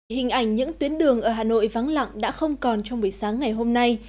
hình ảnh những tuyến đường ở hà nội vắng lặng đã không còn trong buổi sáng ngày hôm nay